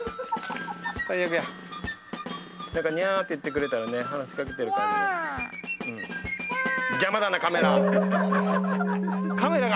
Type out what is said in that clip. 「ニャー」って言ってくれたらね話しかけてる感じが。